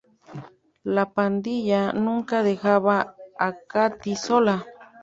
La pandilla nunca dejaba a Cathy sola.